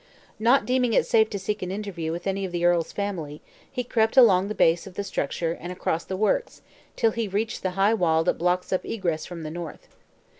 Not deeming it safe to seek an interview with any of the earl's family, he crept along the base of the structure, and across the works, till he reached the high wall that blocks up egress from the north.